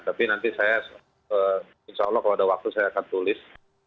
tapi nanti saya insya allah kalau ada waktu saya akan tulis